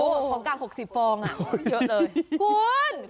อู้วของกลาง๖๐ฟองอ่ะเยอะเลย